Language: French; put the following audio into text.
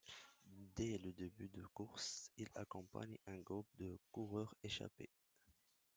Dès le début de course, il accompagne un groupe de coureurs échappés.